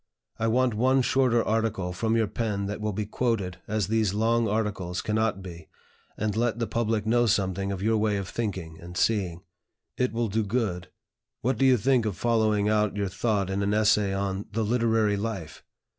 I want one shorter article from your pen that will be quoted, as these long articles cannot be, and let the public know something of your way of thinking and seeing. It will do good. What do you think of following out your thought in an essay on 'The Literary Life?'